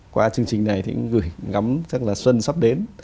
qua chương trình này thì cũng gửi ngắm chắc là xuân sắp đến